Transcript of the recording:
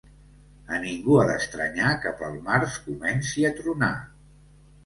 A ningú ha d'estranyar que pel març comenci a tronar.